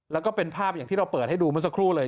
แล้วก็เป็นภาพอย่างที่เราเปิดให้ดูเมื่อสักครู่เลย